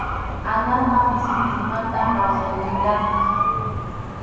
Añasqa pisi pisimanta kawsarimullantaq.